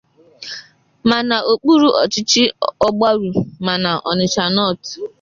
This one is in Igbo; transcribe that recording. ma n'okpuru ọchịchị Ọgbaru ma na 'Onitsha North'